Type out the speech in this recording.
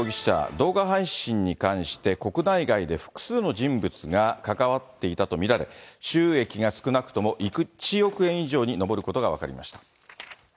動画配信に関して、国内外で複数の人物が関わっていたと見られ、収益が少なくとも１億円以上に上ることが分かりました。